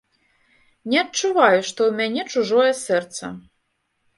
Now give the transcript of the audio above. Не адчуваю, што ў мяне чужое сэрца.